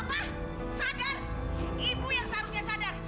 ah sadar ibu yang seharusnya sadar